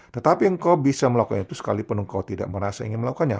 tetapi engkau bisa melakukan itu sekalipun engkau tidak merasa ingin melakukannya